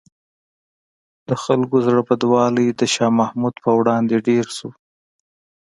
د خلکو زړه بدوالی د شاه محمود په وړاندې ډېر شو.